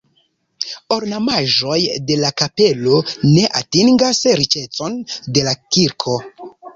Ornamaĵoj de la kapelo ne atingas riĉecon de la kirko.